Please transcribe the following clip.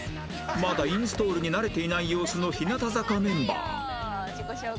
まだインストールに慣れていない様子の日向坂メンバー